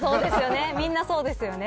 みんな、そうですよね。